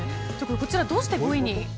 こちら、どうして５位に？